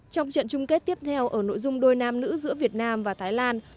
trong trận chung kết tiếp theo ở nội dung đôi nam nữ giữa việt nam và thái lan